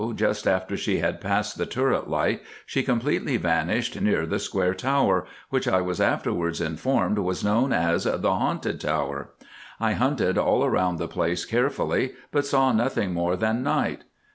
just after she had passed the turret light she completely vanished near the square tower, which I was afterwards informed was known as the 'Haunted Tower.' I hunted all round the place carefully, but saw nothing more that night.